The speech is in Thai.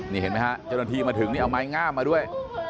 เนี่ยเจ้าหน้าที่มาถึงนี่เอาไม้งามมาด้วย